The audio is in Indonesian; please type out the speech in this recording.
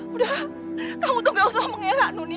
udah kamu tuh gak usah mengelak dunia